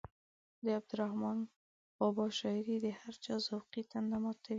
د عبدالرحمان بابا شاعري د هر چا ذوقي تنده ماتوي.